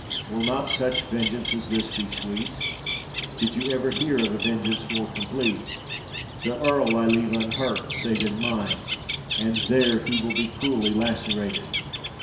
Will not such vengeance as this be sweet? Did you ever hear of a vengeance more complete? The Earl I leave unhurt, save in mind—and there he will be cruelly lacerated!